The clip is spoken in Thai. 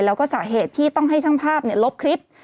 แล้วก็สาเหตุที่ต้องให้ช่างภาพลบคลิป